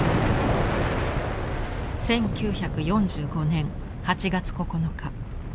１９４５年８月９日。